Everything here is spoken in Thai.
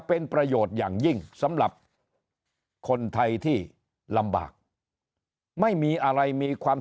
เป็นประโยชน์อย่างยิ่งสำหรับคนไทยที่ลำบากไม่มีอะไรมีความ